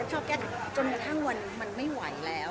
ชอบแก้จนทั้งวันมันไม่ไหวได้